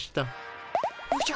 おじゃ。